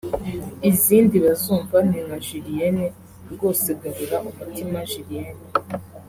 Izindi bazumva ni nka Julienne( rwose garura umutima Julienne